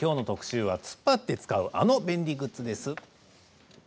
突っ張って使うあの便利グッズです。